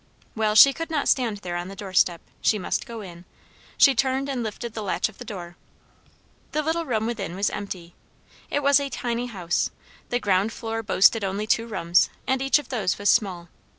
Well, she could not stand there on the door step. She must go in. She turned and lifted the latch of the door. The little room within was empty. It was a tiny house; the ground floor boasted only two rooms, and each of those was small.